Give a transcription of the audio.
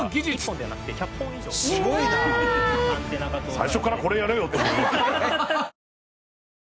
最初からこれやれよ！って思いますよね。